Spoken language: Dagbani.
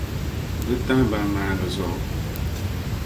Di tahi baramanda zuɣu.